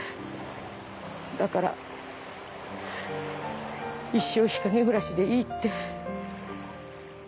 だから一生日陰暮らしでいい」って。